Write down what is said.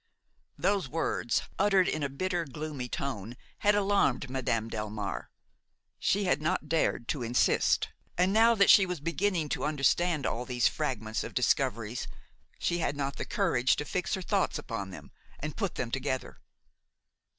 Those words, uttered in a bitter, gloomy tone, had alarmed Madame Delmare. She had not dared to insist, and, now that she was beginning to understand all these fragments of discoveries, she had not the courage to fix her thoughts upon them and put them together.